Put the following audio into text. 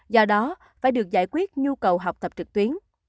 do đó phải được giải quyết nhu cầu học tập trực tuyến